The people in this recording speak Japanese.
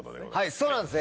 そうなんですね